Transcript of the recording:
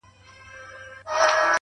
چي ته به يې په کومو صحفو ـ قتل روا کي ـ